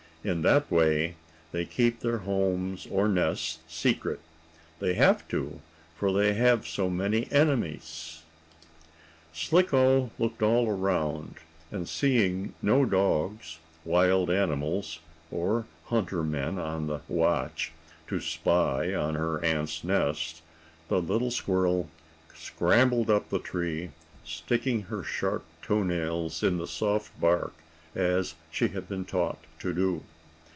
In that way they keep their homes, or nests, secret. They have to, for they have so many enemies. Slicko looked all around, and, seeing no dogs, wild animals or hunter men on the watch, to spy on her aunt's nest, the little squirrel scrambled up the tree, sticking her sharp toe nails in the soft bark as she had been taught to do.